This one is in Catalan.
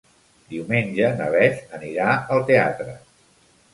Diumenge na Beth anirà al teatre.